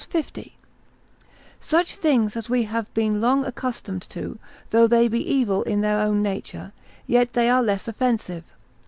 50. Such things as we have been long accustomed to, though they be evil in their own nature, yet they are less offensive.